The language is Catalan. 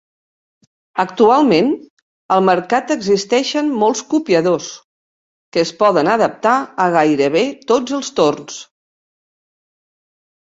Actualment, al mercat existeixen molts copiadors, que es poden adaptar a gairebé tots els torns.